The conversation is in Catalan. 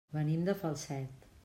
Venim de Falset.